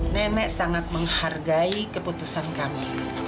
nenek sangat menghargai keputusan kami